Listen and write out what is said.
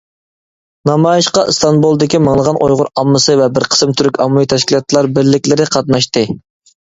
نامايىشقا ئىستانبۇلدىكى مىڭلىغان ئۇيغۇر ئاممىسى ۋە بىر قىسىم تۈرك ئاممىۋى تەشكىلاتلار بىرلىكلىرى قاتناشتى.